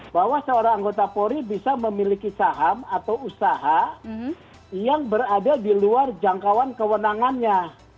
bahwa seorang anggota polri bisa memiliki saham atau usaha yang berada di luar jangkauan kewenangannya